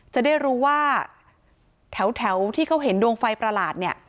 จะได้รู้ว่าแถวที่เขาเห็นดวงไฟประหลาดเนี่ย